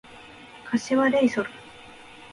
柏レイソル